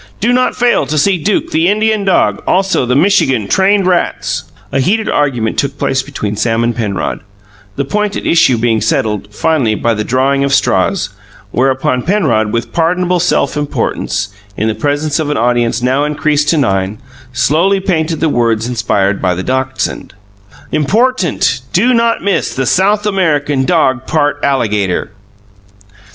Do NoT FAIL TO SEE DUKE THE INDiAN DOG ALSO THE MiCHiGAN TRAiNED RATS A heated argument took place between Sam and Penrod, the point at issue being settled, finally, by the drawing of straws; whereupon Penrod, with pardonable self importance in the presence of an audience now increased to nine slowly painted the words inspired by the dachshund: IMPoRTENT Do NoT MISS THE SoUTH AMERiCAN DoG PART ALLIGATOR.